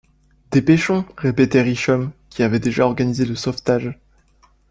Dépêchons! répétait Richomme, qui avait déjà organisé le sauvetage.